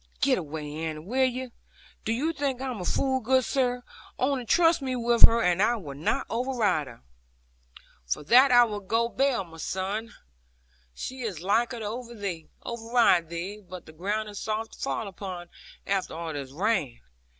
'Get away, Annie, will you? Do you think I'm a fool, good sir! Only trust me with her, and I will not override her.' 'For that I will go bail, my son. She is liker to override thee. But the ground is soft to fall upon, after all this rain.